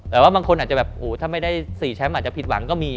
แต่ว่าบางคนอาจจะแบบโอ้โหถ้าไม่ได้๔แชมป์อาจจะผิดหวังก็มี